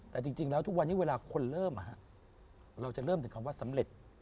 แต่จริงแล้วทุกวันนี้เวลาคนเริ่มเราจะเริ่มถึงคำว่าสำเร็จ